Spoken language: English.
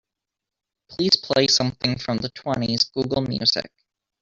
Please play something from the twenties google music